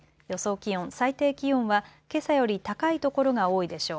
気温、最低気温はけさより高い所が多いでしょう。